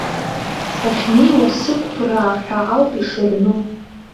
Сахьнеиуа сықәԥраа ҳәа ауп ишырну.